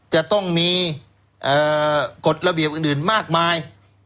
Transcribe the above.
จะต้องมีกฎระเบียบอื่นมากมาย